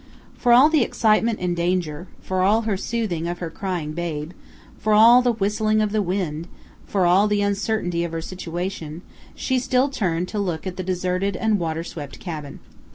For all the excitement and danger, for all her soothing of her crying babe, for all the whistling of the wind, for all the uncertainty of her situation, she still turned to look at the deserted and water swept cabin.